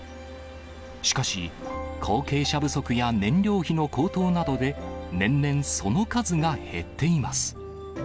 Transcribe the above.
しかし、後継者不足や燃料費の高騰などで、年々その数が減っています。